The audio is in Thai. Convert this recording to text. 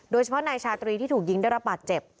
โดยเฉพาะนายชาตรีที่ถูกยิงได้รับบาดเจ็บ